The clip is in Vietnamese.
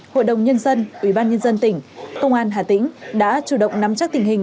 hội đồng nhân dân ủy ban nhân dân tỉnh công an hà tĩnh đã chủ động nắm chắc tình hình